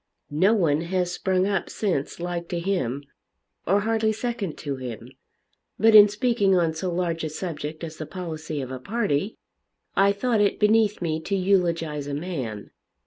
No one has sprung up since like to him, or hardly second to him. But in speaking on so large a subject as the policy of a party, I thought it beneath me to eulogise a man.